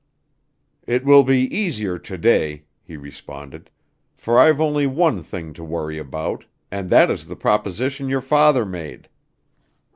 "It will be easier to day," he responded, "for I've only one thing to worry about, and that is the proposition your father made."